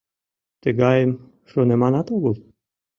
Тыгайым шоныманат огыл.